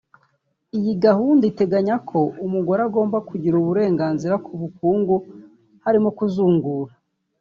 Iyi gahunda iteganya ko umugore agomba kugira uburenganzira ku bukungu harimo kuzungura